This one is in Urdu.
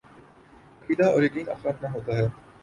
عقیدہ اور یقین اپنا اپنا ہوتا ہے۔